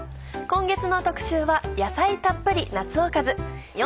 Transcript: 今月の特集は「野菜たっぷり夏おかず」。